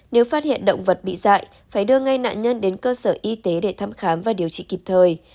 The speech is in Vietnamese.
nếu phát hiện động vật bị dạy phải đưa ngay nạn nhân đến cơ sở y tế để thăm khám và điều trị kịp thời